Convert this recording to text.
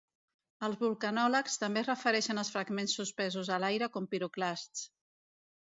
Els vulcanòlegs també es refereixen als fragments suspesos a l'aire com piroclasts.